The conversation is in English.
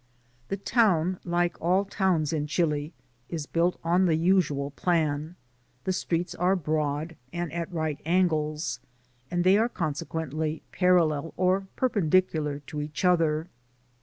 The town, like all towns in Chili, is built on the usual plan. The streets are broad, and at right angles, and they are consequently parallel or per pendicular to each other.